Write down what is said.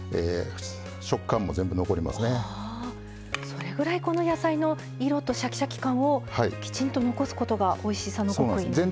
それぐらいこの野菜の色とシャキシャキ感をきちんと残すことがおいしさの極意なんですね。